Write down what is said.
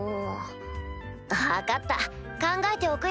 あ分かった考えておくよ。